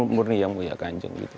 murni yang mulia kanjeng gitu